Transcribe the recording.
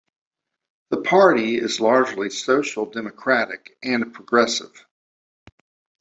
The party is largely social democratic and progressive.